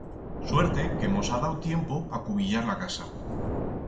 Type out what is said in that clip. Suerte que mos ha dau tiempo a cubillar la casa.